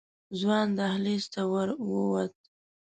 ځوان دهلېز ته ورو ووت.